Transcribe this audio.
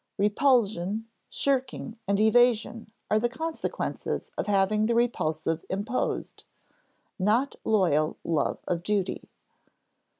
Repulsion, shirking, and evasion are the consequences of having the repulsive imposed not loyal love of duty.